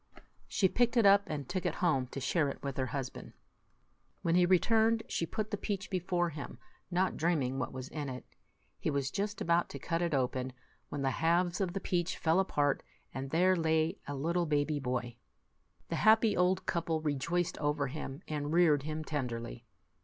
She picked it up, and took it home to share it with her husband. When he returned, she put the peach before him, not dreaming what was in it. He was just about to cut it open, when the halves of the peach fell apart, and there lay a little baby boy. The happy old couple rejoiced over him, and reared him tenderly.